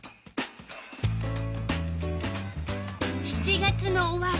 ７月の終わり。